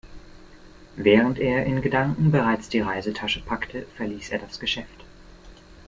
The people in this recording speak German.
Während er in Gedanken bereits die Reisetasche packte, verließ er das Geschäft.